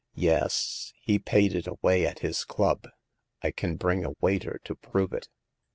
Yes, he paid it away at his club : I can bring a waiter to prove it."